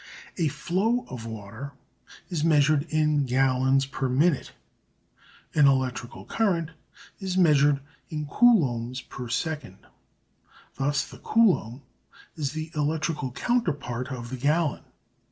A flow of water is measured in gallons per minute. An electrical current is measured in coulombs per second. Thus the coulomb is the electrical counterpart of the gallon.